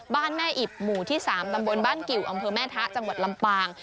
บ้านแม่อิบหมู่ที่๓ตำบลบ้านกิวอำเภอแม่ทะจังหวัดลำปาง